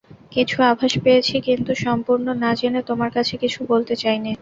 কিছু আভাস পেয়েছি, কিন্তু সম্পূর্ণ না জেনে তোমার কাছে কিছু বলতে চাই নে।